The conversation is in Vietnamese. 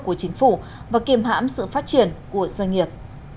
của chính phủ và kiềm hãm sự phát triển của doanh nghiệp